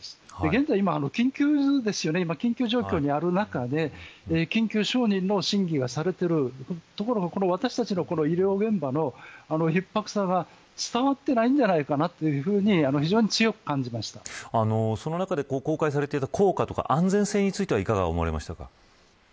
現在、今、緊急状態にある中で緊急承認の審議はされているところも私たちの医療現場の逼迫さが伝わっていないんじゃないかなとその中で公開されていた効果や安全性についてはいかが思われましたか。